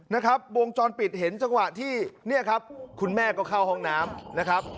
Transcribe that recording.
นะครับวงจรปิดเห็นจังหวะที่เนี่ยครับคุณแม่ก็เข้าห้องน้ำนะครับ